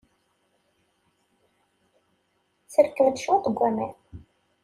Sserkem-d cwiṭ n waman.